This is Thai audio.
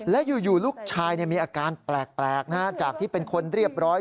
และอยู่ลูกชายมีอาการแปลกจากที่เป็นคนเรียบร้อย